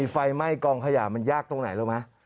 ไฟไหม้กองขยะมันยากตรงไหนรู้ไหม